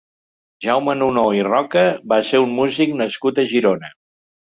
Jaume Nunó i Roca va ser un músic nascut a Girona.